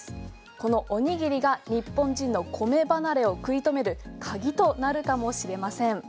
このおにぎりが日本人の米離れを食い止める鍵となるかもしれません。